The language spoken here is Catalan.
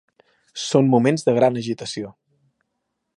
Són moments de gran agitació.